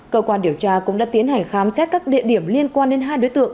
cơ quan điều tra cũng đã tiến hành khám xét các địa điểm liên quan đến hai đối tượng